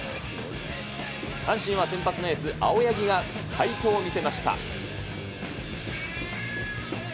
阪神は先発のエース、青柳が快投を見せました。